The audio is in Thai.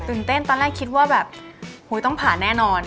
เต้นตอนแรกคิดว่าแบบต้องผ่านแน่นอน